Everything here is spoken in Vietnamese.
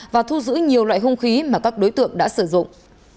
và thu giữ nhiều loại hung khí mà các đối tượng đã sử dụng